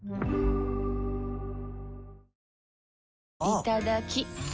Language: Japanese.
いただきっ！